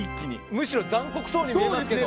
むしろ残酷そうに見えますけど。